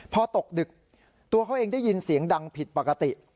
พอตกดึกตัวเขาเองได้ยินเสียงดังผิดปกติ